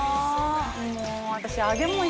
もう私。